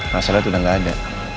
hasilnya itu udah gak ada